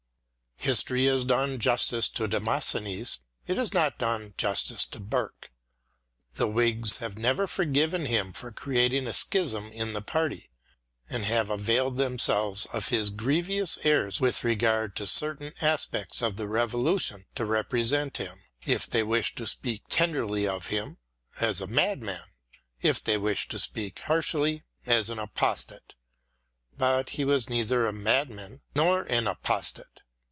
History has done justice to Demosthenes, it has not done justice to Burke. The Whigs have never forgiven him for creating a schism in the party, and have availed themselves of his grave errors with regard to certain aspects of the Revolution to represent him, if they wish to speak tenderly of him, as a madman; if they wish to speak harshly, as an apostate. But he was neither a madman nor an apostate.